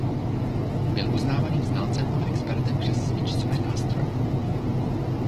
Byl uznávaným znalcem a expertem přes smyčcové nástroje.